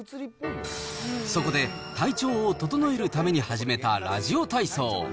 そこで、体調を整えるために始めたラジオ体操。